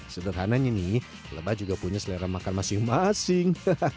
sederhananya nih lebah juga punya selera makan masing masing